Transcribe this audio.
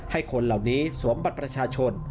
คนเหล่านี้สวมบัตรประชาชน